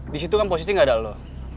disitu kan posisi gak ada lo